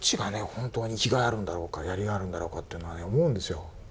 本当に生きがいあるんだろうかやりがいあるんだろうかっていうのは思うんですよ。